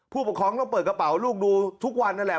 ผู้ปกครองต้องเปิดกระเป๋าลูกดูทุกวันนั่นแหละ